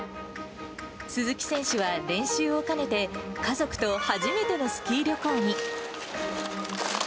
鈴木選手は練習を兼ねて、家族と初めてのスキー旅行に。